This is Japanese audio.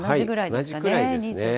同じくらいですね。